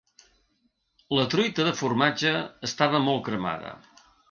La truita de formatge estava molt cremada.